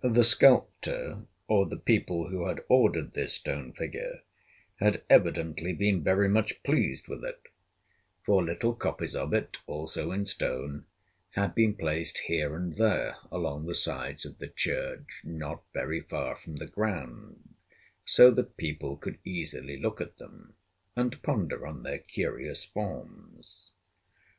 The sculptor, or the people who had ordered this stone figure, had evidently been very much pleased with it, for little copies of it, also in stone, had been placed here and there along the sides of the church, not very far from the ground, so that people could easily look at them, and ponder on their curious forms.